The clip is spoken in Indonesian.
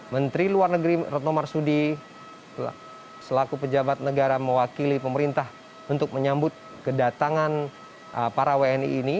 menteri luar negeri retno marsudi selaku pejabat negara mewakili pemerintah untuk menyambut kedatangan para wni ini